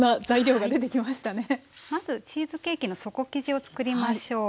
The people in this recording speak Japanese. まずチーズケーキの底生地を作りましょう。